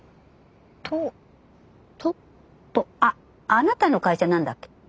あっあなたの会社何だっけ？